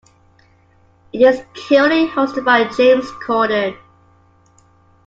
It is currently hosted by James Corden.